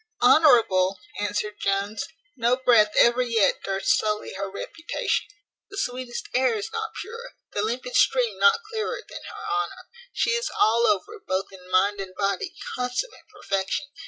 "Honourable!" answered Jones; "no breath ever yet durst sully her reputation. The sweetest air is not purer, the limpid stream not clearer, than her honour. She is all over, both in mind and body, consummate perfection.